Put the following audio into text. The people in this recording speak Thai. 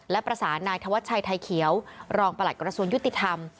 และประสานนายธวัชชัยไทยเขียวรองประหลัดกระทรวงยุติธรรม